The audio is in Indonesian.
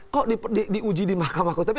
kok diuji di mahkamah konstitusi